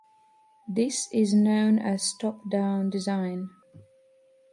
This is known as top down design.